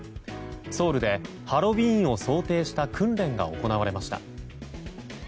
ソウルでハロウィーンを想定した訓練が行われました。